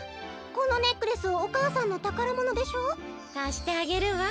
このネックレスお母さんのたからものでしょ？かしてあげるわ。